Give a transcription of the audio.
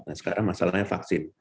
nah sekarang masalahnya vaksin